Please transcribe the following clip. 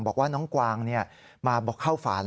บอกว่าน้องกวางมาเข้าฝัน